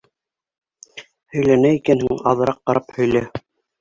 Һөйләнә икәнһең, аҙыраҡ ҡарап һөйлә.